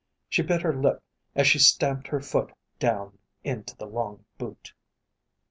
She bit her lip as she stamped her foot down into the long boot.